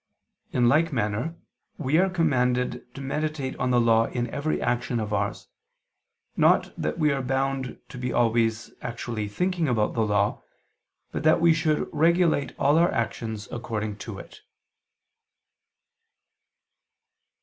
In like manner we are commanded to meditate on the Law in every action of ours, not that we are bound to be always actually thinking about the Law, but that we should regulate all our actions according to it.